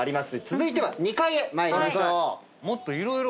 続いては２階へ参りましょう。